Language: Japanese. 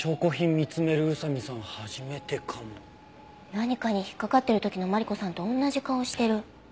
何かに引っかかってる時のマリコさんと同じ顔してる。